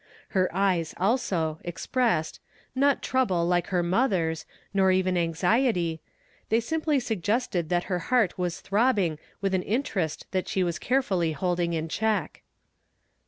Her eyes, also, ex pressed, not trouble, like her mother's, nor even anxiety ~ they simply suggested that her heart was throbbing with an interest that she was care fully holding in check.